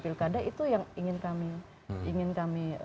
pilkada itu yang ingin kami